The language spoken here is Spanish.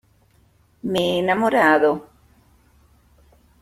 me he enamorado.